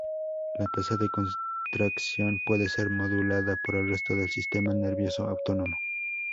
La tasa de contracción puede ser modulada, por el resto del sistema nervioso autónomo.